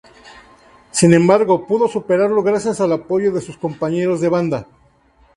Sin embargo, pudo superarlo gracias al apoyo de sus compañeros de banda.